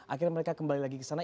akhirnya mereka kembali lagi kesana